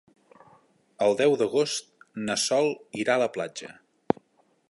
El deu d'agost na Sol irà a la platja.